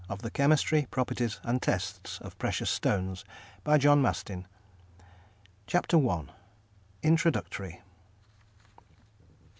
_ THE CHEMISTRY, PROPERTIES AND TESTS OF PRECIOUS STONES CHAPTER I. INTRODUCTORY.